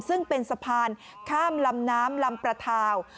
ซึ่งเป็นสะพานข้ามลำน้ำลำประทาว